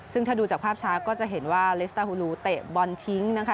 ซึ่งถ้าดูจากภาพช้าก็จะเห็นว่าเลสตาฮูลูเตะบอลทิ้งนะคะ